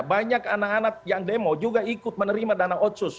banyak anak anak yang demo juga ikut menerima dana otsus